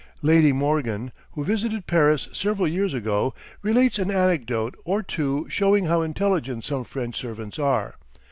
Lady Morgan, who visited Paris several years ago, relates an anecdote or two showing how intelligent some French servants are.